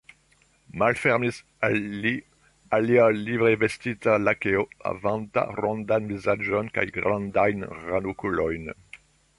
Malfermis al li alia livrevestita lakeo, havanta rondan vizaĝon kaj grandajn ranokulojn.